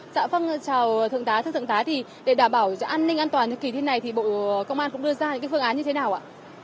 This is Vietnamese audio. dạ phong trào thượng tá thưa thượng tá thì để đảm bảo an ninh an toàn cho kỳ thi này thì bộ công an cũng đưa ra những phương án như thế nào ạ